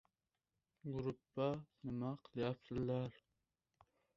Elning nazaridan qolsang